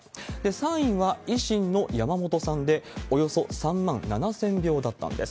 ３位は維新の山本さんで、およそ３万７０００票だったんです。